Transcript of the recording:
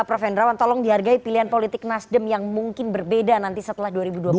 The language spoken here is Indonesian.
prof hendrawan tolong dihargai pilihan politik nasdem yang mungkin berbeda nanti setelah dua ribu dua puluh empat